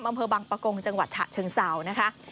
บังเภอบังปะโกงจังหวัดฉะเชิงเสานะคะ